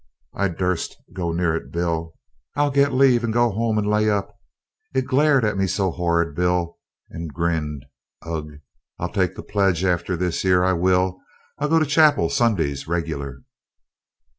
I dursn't go near it, Bill. I'll get leave, and go 'ome and lay up it glared at me so 'orrid, Bill, and grinned ugh! I'll take the pledge after this 'ere, I will I'll go to chapel Sundays reg'lar!"